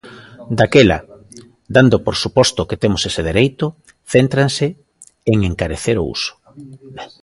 Daquela, dando por suposto que temos ese dereito, céntranse en encarecer o uso.